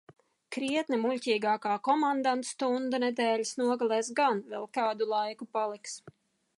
Krietni muļķīgākā komandantstunda nedēļas nogalēs gan vēl kādu laiku paliks.